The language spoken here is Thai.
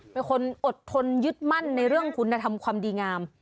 เป็นคนอดทนยึดมั่นในเรื่องคุณธรรมความดีงาม